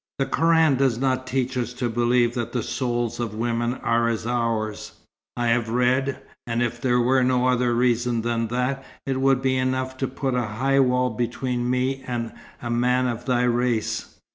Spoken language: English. "The Koran does not teach us to believe that the souls of women are as ours." "I have read. And if there were no other reason than that, it would be enough to put a high wall between me and a man of thy race."